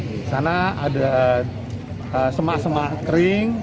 disana ada semak semak kering